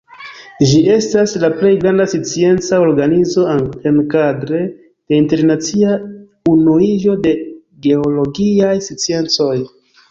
Ĝi estas la plej granda scienca organizo enkadre de Internacia Unuiĝo de Geologiaj Sciencoj.